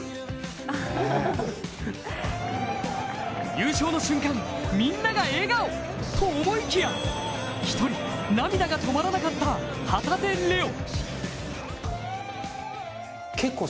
優勝の瞬間、みんなが笑顔！と思いきや、一人、涙が止まらなかった旗手怜央。